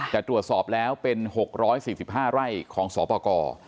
แต่ตรวจสอบแล้วเป็น๖๔๕ไร่ของสปกร